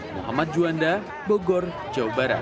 muhammad juanda bogor jawa barat